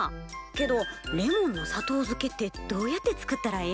けどレモンの砂糖漬けってどうやって作ったらええの？